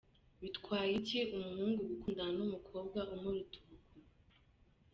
Bitwaye iki umuhungu gukundana n’umukobwa umuruta ubukuru